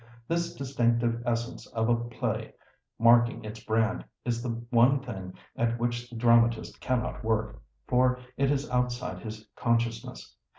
This distinctive essence of a play, marking its brand, is the one thing at which the dramatist cannot work, for it is outside his consciousness.